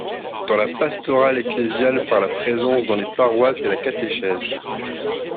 Dans la pastorale ecclésiale par la présence dans les paroisses et la catéchèse.